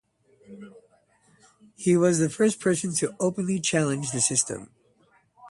He was the first person to openly challenge the system.